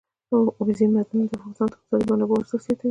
اوبزین معدنونه د افغانستان د اقتصادي منابعو ارزښت زیاتوي.